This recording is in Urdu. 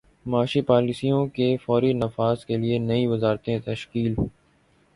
معاشی پالیسیوں کے فوری نفاذ کیلئے نئی وزارتیں تشکیل